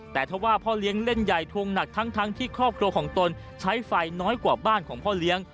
แต่ถ้าว่าพ่อเลี้ยงเล่นใหญ่ทวงหนักทั้งที่ครอบครัวของตนใช้ไฟน้อยกว่าบ้านของพ่อเลี้ยง